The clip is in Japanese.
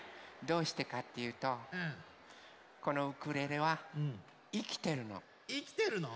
どうしてかっていうとこのウクレレはいきてるの。いきてるの？